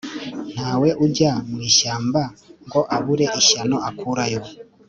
ntawe ujya mu ishyamba ngo abure ishyano akurayo